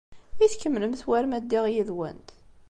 I tkemmlemt war ma ddiɣ yid-went?